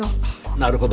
なるほど。